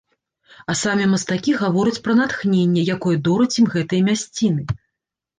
А самі мастакі гавораць пра натхненне, якое дораць ім гэтыя мясціны.